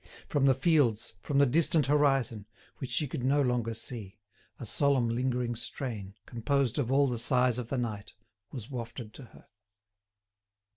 From the fields, from the distant horizon, which she could no longer see, a solemn lingering strain, composed of all the sighs of the night, was wafted to her.